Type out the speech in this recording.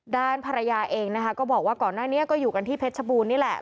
ด้านภรรยาเองนะคะก็บอกว่าก่อนหน้านี้ก็อยู่กันที่เพชรบูรณนี่แหละ